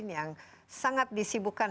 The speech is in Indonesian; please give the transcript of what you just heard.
yang sangat disibukkan